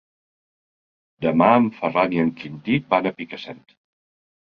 Demà en Ferran i en Quintí van a Picassent.